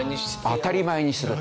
当たり前にする。